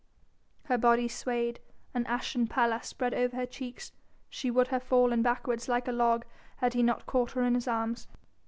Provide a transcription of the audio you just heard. Her body swayed, an ashen pallor spread over her cheeks, she would have fallen backwards like a log had he not caught her in his arms.